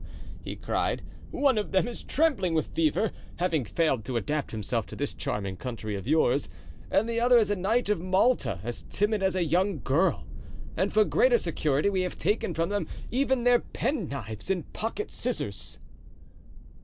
he cried; "one of them is trembling with fever, having failed to adapt himself to this charming country of yours, and the other is a knight of Malta, as timid as a young girl; and for greater security we have taken from them even their penknives and pocket scissors."